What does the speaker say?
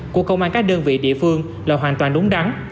của công an các đơn vị địa phương là hoàn toàn đúng đắn